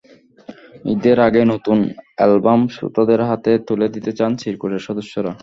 ঈদের আগেই নতুন অ্যালবাম শ্রোতাদের হাতে তুলে দিতে চান চিরকুটের সদস্যরা।